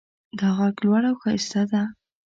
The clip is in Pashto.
دا غر لوړ او ښایسته ده